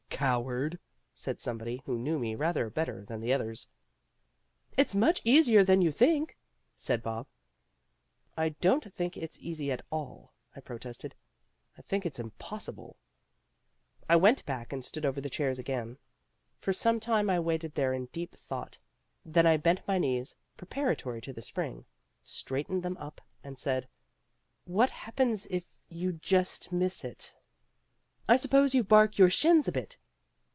"Coward!" said somebody, who knew me rather better than the others. "It's much easier than you think," said Bob. "I don't think it's easy at all," I protested. "I think it's impossible." I went back and stood over the chairs again. For some time I waited there in deep thought. Then I bent my knees preparatory to the spring, straightened them up, and said, "What happens if you just miss it?" "I suppose you bark your shins a bit."